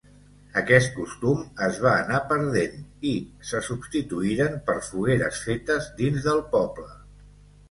Aquest costum es va anar perdent, i se substituïren per fogueres fetes dins del poble.